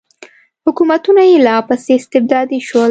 حکومتونه یې لا پسې استبدادي شول.